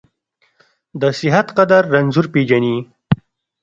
د صحت قدر رنځور پېژني .